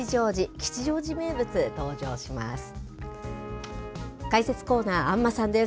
吉祥寺名物、登場します。